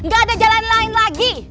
gak ada jalan lain lagi